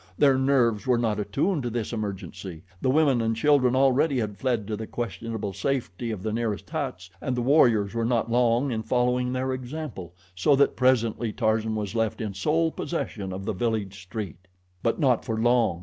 Their nerves were not attuned to this emergency. The women and children already had fled to the questionable safety of the nearest huts, and the warriors were not long in following their example, so that presently Tarzan was left in sole possession of the village street. But not for long.